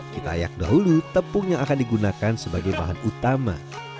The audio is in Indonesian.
kita ayak dahulu tepung yang akan digunakan sebagai bahan utama